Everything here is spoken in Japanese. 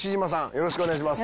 よろしくお願いします。